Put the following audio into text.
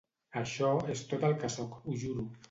Això és tot el que sóc, ho juro.